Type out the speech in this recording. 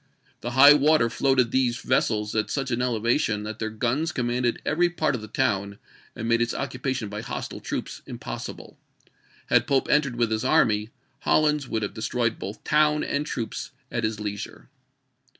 The high water floated these vessels at such an elevation that their guns commanded every part of the town, and made its occupation by hostile troops impossible. Had Pope entered wdth his army, HoUins would have destroyed both town and troops at his leisure.